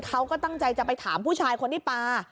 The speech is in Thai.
เขาก็ตั้งใจจะไปถามผู้ชายคนที่ปลา